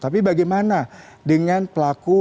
tapi bagaimana dengan pelaku